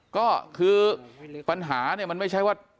ก็คือปัญหาเนี่ยมันไม่ใช่ว่า